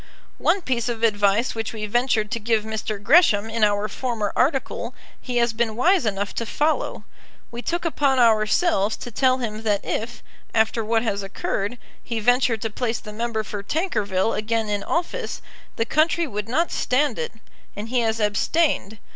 One piece of advice which we ventured to give Mr. Gresham in our former article he has been wise enough to follow. We took upon ourselves to tell him that if, after what has occurred, he ventured to place the member for Tankerville again in office, the country would not stand it; and he has abstained.